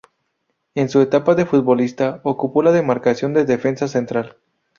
En su etapa de futbolista, ocupó la demarcación de defensa central.